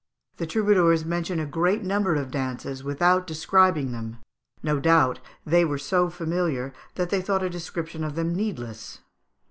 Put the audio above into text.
The troubadours mention a great number of dances, without describing them; no doubt they were so familiar that they thought a description of them needless.